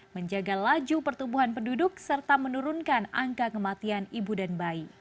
menjaga laju pertumbuhan penduduk serta menurunkan angka kematian ibu dan bayi